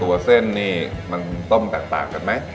เส้นนี่มันต้มแตกต่างกันไหม